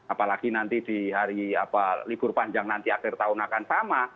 apalagi nanti di hari libur panjang nanti akhir tahun akan sama